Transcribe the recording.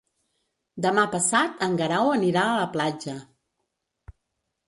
Demà passat en Guerau anirà a la platja.